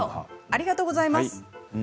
ありがとうございます。